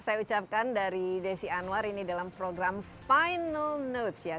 saya ucapkan dari desi anwar ini dalam program final notes ya